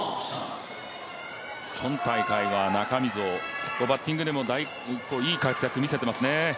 今大会は、中溝、バッティングでもいい活躍みせてますね。